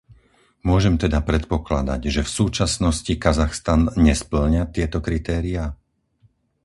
Môžem teda predpokladať, že v súčasnosti Kazachstan nespĺňa tieto kritéria?